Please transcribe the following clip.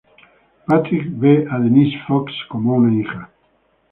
Patrick ve a Denise Fox como a una hija.